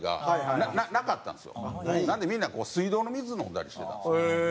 なのでみんな水道の水飲んだりしてたんです。